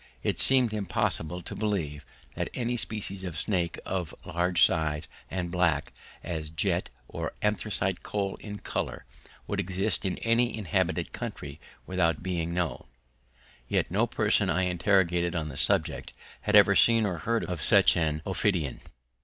It seemed impossible to believe that any species of snake of large size and black as jet or anthracite coal in colour could exist in any inhabited country without being known, yet no person I interrogated on the subject had ever seen or heard of such an ophidian.